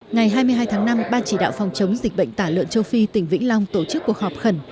ngày hai mươi hai tháng năm ban chỉ đạo phòng chống dịch bệnh tả lợn châu phi tỉnh vĩnh long tổ chức cuộc họp khẩn